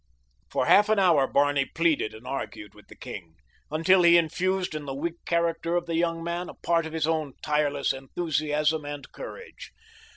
For half an hour Barney pleaded and argued with the king, until he infused in the weak character of the young man a part of his own tireless enthusiasm and courage.